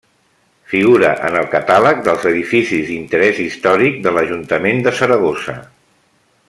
Figura en el catàleg dels edificis d'interès històric de l'Ajuntament de Saragossa.